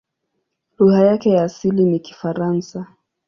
Lugha yake ya asili ni Kifaransa.